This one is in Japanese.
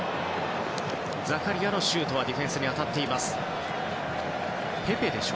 ザカリアのシュートはディフェンスに当たりました。